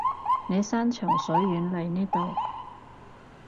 你山長水遠嚟呢度